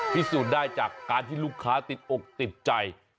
พิสูจน์ได้จากการที่ลูกค้าติดอกติดใจ